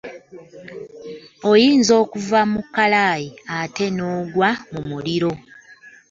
Oyinza okuva mu kkalaayi ate n'ogwa mu muliro.